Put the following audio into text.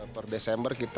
per desember kita